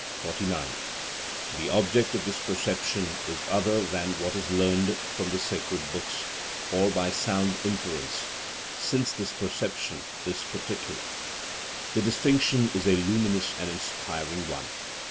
49. The object of this perception is other than what is learned from the sacred books, or by sound inference, since this perception is particular. The distinction is a luminous and inspiring one.